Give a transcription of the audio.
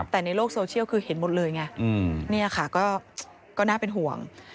แต่ในโลกโซเชียลคือเห็นหมดเลยไงนี่ค่ะก็น่าเป็นห่วง